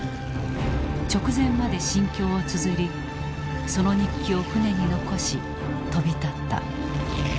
直前まで心境をつづりその日記を船に残し飛び立った。